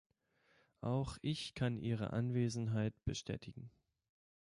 Auch ich kann Ihre Anwesenheit bestätigen.